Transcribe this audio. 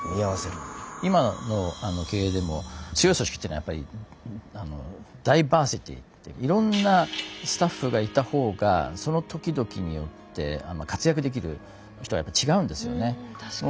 今の経営でも強い組織っていうのはやっぱりダイバーシティっていろんなスタッフがいた方がその時々によって活躍できる人はやっぱり違うんですよね。